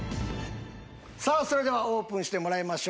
さあそれではオープンしてもらいましょう。